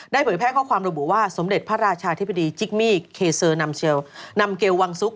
ได้ผลิตแพทย์ข้อความระบุว่าสมเด็จพระราชาธิบดีจิกมี่เคเซอร์นำเกลววังสุข